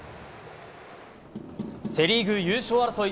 セ・リーグ優勝争い。